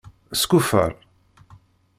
Skuffer.